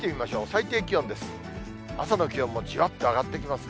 最低気温です。